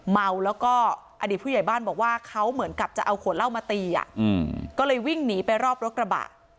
เมาแล้วก็อดีตผู้ใหญ่บ้านบอกว่าเขาเหมือนกับจะเอาขวดเหล้ามาตีก็เลยวิ่งหนีไปรอบรถกระบะ